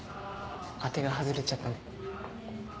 当てが外れちゃったね。